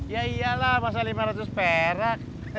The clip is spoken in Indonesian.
ya iyalah masa lima ratus perak